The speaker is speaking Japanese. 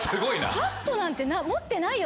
パッドなんて持ってないよ